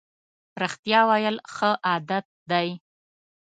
رښتیا ویل ښه عادت دی.